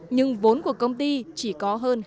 nhưng vốn của công ty chỉ có hơn hai trăm linh tỷ đồng